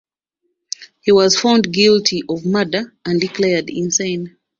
He was found guilty of murder and declared insane.